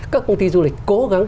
các công ty du lịch cố gắng